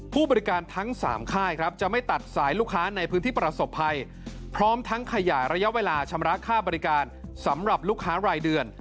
ผู้บริการทั้ง๓ค่ายครับจะไม่ตัดสายลูกค้าในพื้นที่ประสบภัยพร้อมทั้งขยายระยะเวลาชำระค่าบริการสำหรับลูกค้ารายเดือน